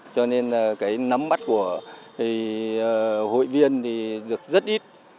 cho nên cái nắm vắt của hội viên thì được rất ít